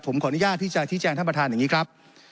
ผมขออนุญาตที่จะชี้แจงท่านประธานอย่างนี้ครับ